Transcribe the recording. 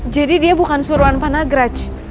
jadi dia bukan suruhan panagraj